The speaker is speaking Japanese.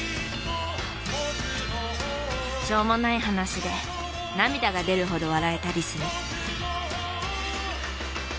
しょうもない話で涙が出るほど笑えたりする。